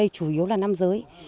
chủ yếu là nam giới